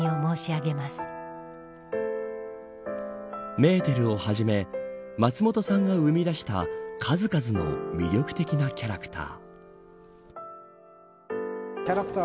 メーテルをはじめ松本さんが生み出した数々の魅力的なキャラクター。